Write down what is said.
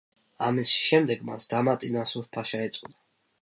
ამის შემდეგ მას დამატი ნასუჰ-ფაშა ეწოდა.